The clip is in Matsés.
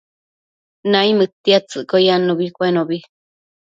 naimëdtiadtsëcquio yannubi cuenobi